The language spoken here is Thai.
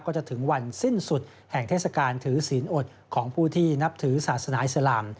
จะถึงวันสิ้นสุดแห่งเทศกาลถือศีลอดของผู้ที่นับถือศาสนาอิสลาม